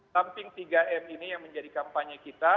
samping tiga m ini yang menjadi kampanye kita